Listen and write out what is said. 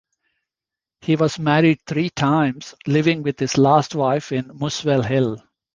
He was married three times, living with his last wife in Muswell Hill.